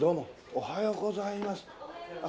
おはようございます。